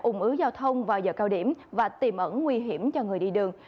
ủng ứ giao thông vào giờ cao điểm và tiềm ẩn nguy hiểm cho người đi đường